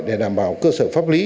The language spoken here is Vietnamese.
để đảm bảo cơ sở pháp lý